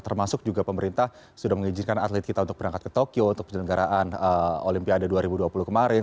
termasuk juga pemerintah sudah mengizinkan atlet kita untuk berangkat ke tokyo untuk penyelenggaraan olimpiade dua ribu dua puluh kemarin